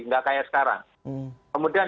tidak seperti sekarang kemudian